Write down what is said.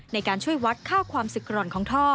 ในการช่วยวัดค่าความสึกร่อนของท่อ